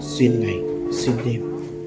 xuyên ngày xuyên đêm